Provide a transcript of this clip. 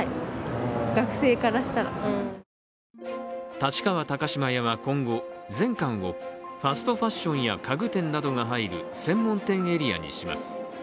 立川高島屋は今後、全館をファストファッションや家具店などが入る専門店エリアにします。